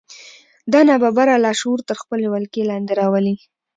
دا ناببره لاشعور تر خپلې ولکې لاندې راولي